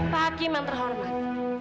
pak hakim yang terhormat